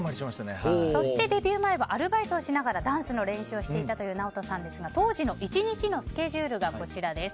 そしてデビュー前はアルバイトしながらダンスの練習をしていたＮＡＯＴＯさんということですが当時の１日のスケジュールがこちらです。